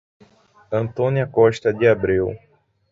Antônia Costa de Abreu